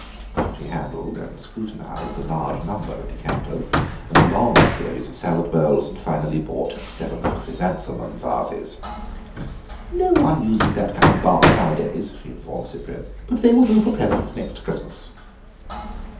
She handled and scrutinised a large number of decanters and a long series of salad bowls, and finally bought seven chrysanthemum vases. "No one uses that kind of vase nowadays," she informed Cyprian, "but they will do for presents next Christmas."